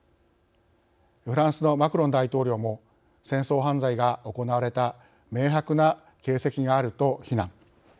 フランスのマクロン大統領も戦争犯罪が行われた明白な形跡があると非難。